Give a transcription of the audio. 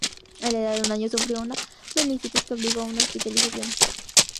A la edad de un año, sufrió una meningitis que obligó a una hospitalización.